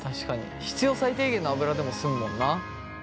必要最低限の油でも済むもんな。